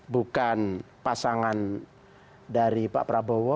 bukan pasangan dari pak prabowo